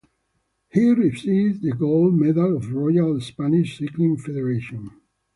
He received the gold medal of the Royal Spanish Cycling Federation.